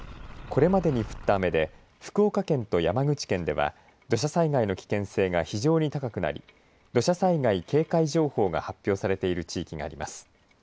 これまでに降った雨で福岡県と山口県では土砂災害の危険性が非常に高くなり、土砂災害警戒情報が発表されている地域があります。